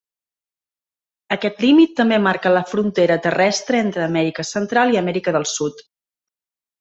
Aquest límit també marca la frontera terrestre entre Amèrica Central i Amèrica del Sud.